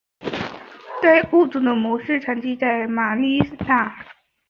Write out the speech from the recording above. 该物种的模式产地在马尼拉。